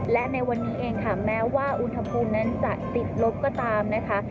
และในวันนี้เองค่ะแม้ว่าอุณหภูมินั้นจะติดลบก็ตามนะคะ